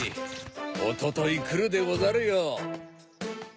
おとといくるでござるよ。